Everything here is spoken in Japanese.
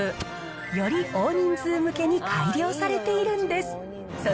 より大人数向けに改良されているんです。